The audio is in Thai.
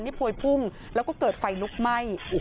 พวยพุ่งแล้วก็เกิดไฟลุกไหม้